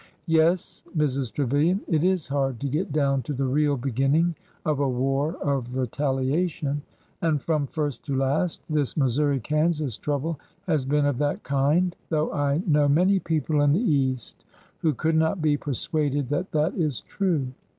Yes, Mrs. Trevilian, it is hard to get down to the real beginning of a war of retaliation; and from first to last this Missouri Kansas trouble has been of that kind — though I know many people in the East who could not be persuaded that that is true.